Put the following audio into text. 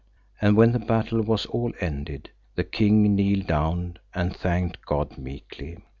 And when the battle was all ended, the king kneeled down and thanked God meekly.